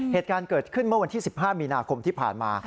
เหตุการณ์เกิดขึ้นเมื่อวันที่๑๕มีนาคมที่ผ่านมา